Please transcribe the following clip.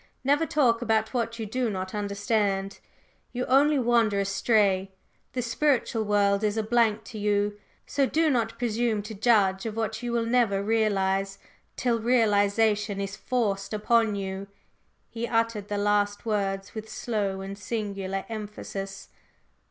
Never talk about what you do not understand; you only wander astray. The spiritual world is a blank to you, so do not presume to judge of what you will never realize till realization is forced upon you!" He uttered the last words with slow and singular emphasis.